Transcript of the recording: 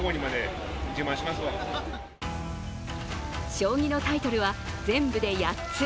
将棋のタイトルは全部で８つ。